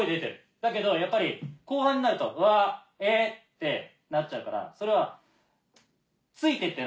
だけどやっぱり後半になると「わぁえぇ」ってなっちゃうからそれはついて行ってないんだよね